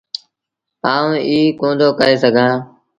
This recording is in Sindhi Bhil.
آئوٚنٚ ايٚ ڪوندو ڪهي سگھآݩٚ